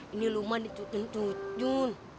ini rumah ditutup tutup